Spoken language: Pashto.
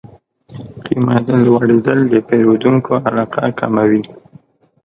قیمت لوړېدل د پیرودونکو علاقه کموي.